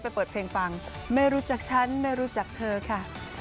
เปิดเพลงฟังไม่รู้จักฉันไม่รู้จักเธอค่ะ